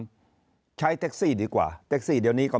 การนำรถแท็กซี่มากขึ้นทุกวัน